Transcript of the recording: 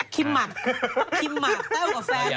คิมหมักเต้ากับแฟนมันก็เท่ากันเลยฮะ